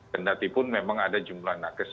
dan datipun memang ada jumlah nakes